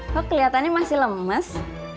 kok keliatannya masih lemes